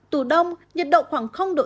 tủ đông nhiệt độ khoảng độ c hoặc thấp hơn